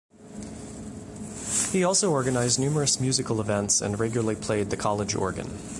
He also organised numerous musical events and regularly played the college organ.